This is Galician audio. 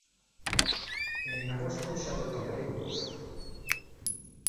E en agosto xa bota o boi ó pozo.